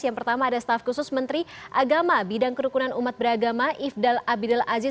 yang pertama ada staf khusus menteri agama bidang kerukunan umat beragama ifdal abidul aziz